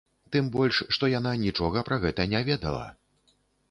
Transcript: Тым больш, што яна нічога пра гэта не ведала.